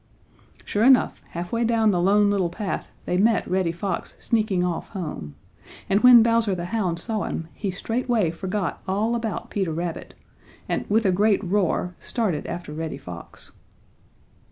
Sure enough, half way down the Lone Little Path they met Reddy Fox sneaking off home, and, when Bowser the Hound saw him, he straightway forgot all about Peter Rabbit, and, with a great roar, started after Reddy Fox.